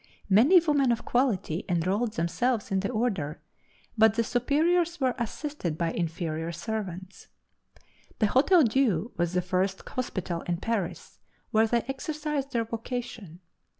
Many women of quality enrolled themselves in the order, but the superiors were assisted by inferior servants. The Hotel Dieu was the first hospital in Paris where they exercised their vocation.